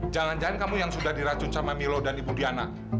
jangan jangan kamu yang sudah diracun sama milo dan ibu diana